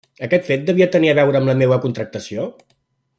Aquest fet devia tenir a veure amb la meua contractació?